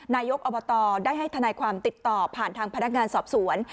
นายกอบตได้ให้ทนายความติดต่อผ่านทางพนักงานสอบสวน